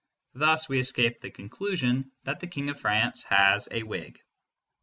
Thus we escape the conclusion that the King of France has a wig.